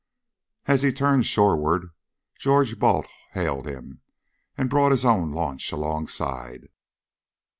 As he turned shoreward George Balt hailed him, and brought his own launch alongside.